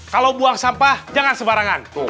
kalau buang sampah jangan sebarangan